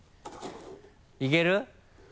いける？